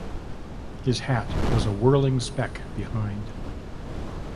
His hat was a whirling speck behind.